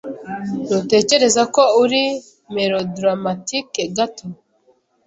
Ntutekereza ko uri melodramatike gato?